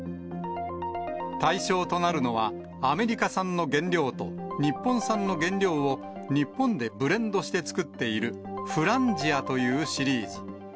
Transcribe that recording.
対象となるのは、アメリカ産の原料と日本産の原料を日本でブレンドしてつくっている、フランジアというシリーズ。